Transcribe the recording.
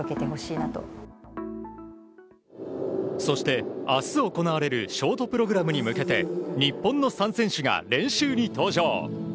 そして、明日行われるショートプログラムに向けて日本の３選手が練習に登場。